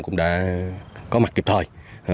cũng đã có mặt kịp thời